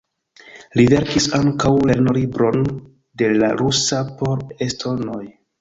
Li verkis ankaŭ lernolibron de la rusa por estonoj.